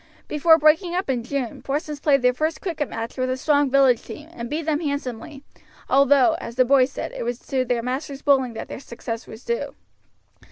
Before breaking up in June, Porson's played their first cricket match with a strong village team, and beat them handsomely, although, as the boys said, it was to their master's bowling that their success was due.